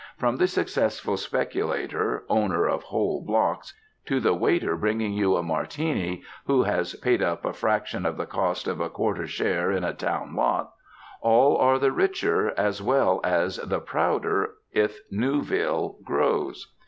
From the successful speculator, owner of whole blocks, to the waiter bringing you a Martini, who has paid up a fraction of the cost of a quarter share in a town lot all are the richer, as well as the prouder, if Newville grows.